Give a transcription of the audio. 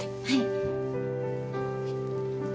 はい。